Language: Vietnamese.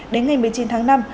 đến ngày một mươi chín tháng năm